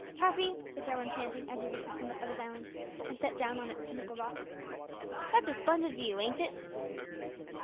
"Cuffy," said Jarwin, panting, as he reached the summit of his island, and sat down on its pinnacle rock, "that's a splendid view, ain't it?"